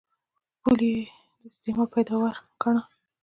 پولې یې د استعمار پیداوار ګاڼه.